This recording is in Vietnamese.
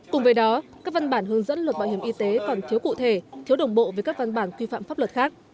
cùng với đó các văn bản hướng dẫn luật bảo hiểm y tế còn thiếu cụ thể thiếu đồng bộ với các văn bản quy phạm pháp luật khác